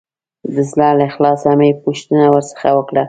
د زړه له اخلاصه مې پوښتنه ورڅخه وکړه.